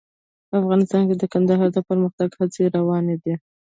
افغانستان کې د کندهار د پرمختګ هڅې روانې دي.